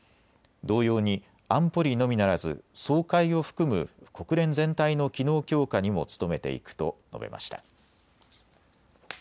同様に安保理のみならず総会を含む国連全体の機能強化にも努めていくと述べました。